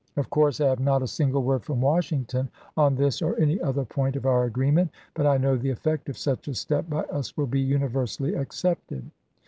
Of course I have not a single word from Washington on this or any other point of our agreement, but I know the effect of such a step by us will be uni versally accepted."